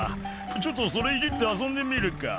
「ちょっとそれいじって遊んでみるか」